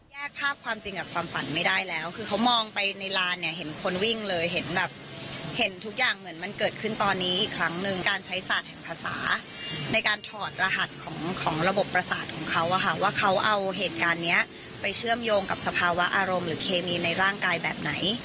ภาพความจริงกับความฝันไม่ได้แล้วคือเขามองไปในลานเนี่ยเห็นคนวิ่งเลยเห็นแบบเห็นทุกอย่างเหมือนมันเกิดขึ้นตอนนี้อีกครั้งนึงการใช้ศาสตร์แห่งภาษาในการถอดรหัสของระบบประสาทของเขาอะค่ะว่าเขาเอาเหตุการณ์เนี้ยไปเชื่อมโยงกับสภาวะอารมณ์หรือเคมีในร่างกายแบบไหน